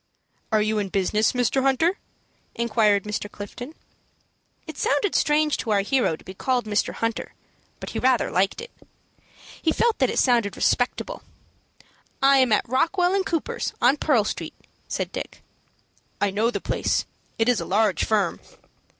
"Are you in business, Mr. Hunter?" inquired Mr. Clifton. It sounded strange to our hero to be called Mr. Hunter; but he rather liked it. He felt that it sounded respectable. "I am at Rockwell & Cooper's, on Pearl Street," said Dick. "I know the place. It is a large firm."